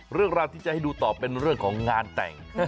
เรื่องราวที่จะให้ดูต่อเป็นเรื่องของงานแต่ง